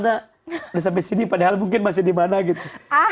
udah sampai sini padahal mungkin masih di mana gitu